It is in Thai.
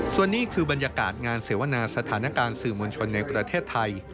ส่วนนี้คือบรรยากาศงานเสวนาสถานการณ์สื่อมวลชนในประเทศไทย